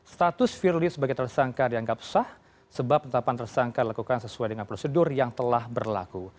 status firly sebagai tersangka dianggap sah sebab penetapan tersangka dilakukan sesuai dengan prosedur yang telah berlaku